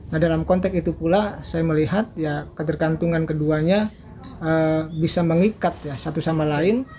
nah dalam konteks itu pula saya melihat ya ketergantungan keduanya bisa mengikat ya satu sama lain